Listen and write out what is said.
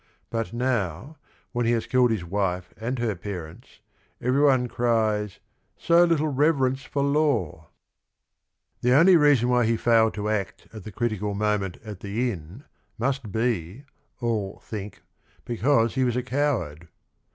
But now, when he has killed his wife and her parents, every one cries "so little reverence for law." 64 THE RING AND THE BOOK The only reason why he failed to act at the critical moment at the inn must be, all think, because he was a coward.